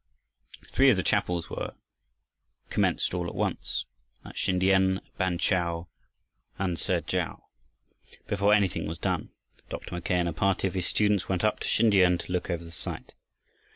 Three of the chapels were commenced all at once at Sintiam, at Bang kah and at Sek khau. Before anything was done Dr. Mackay and a party of his students went up to Sin tiam to look over the site.